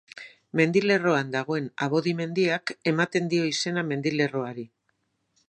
Mendilerroan dagoen Abodi mendiak ematen dio izena mendilerroari.